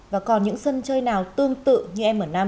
và còn những sân chơi nào tương tự như m năm